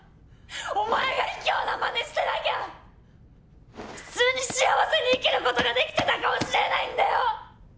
お前が卑怯なまねしてなきゃ普通に幸せに生きることができてたかもしれないんだよ！